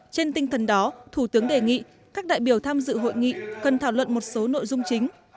trên tinh thần đó thủ tướng đề nghị các đại biểu tham dự hội nghị cần thảo luận một số nội dung chính